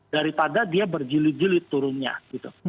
daripada dia berjilid jilid turunnya gitu